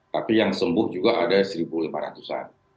tapi yang sembuh juga ada satu lima ratus an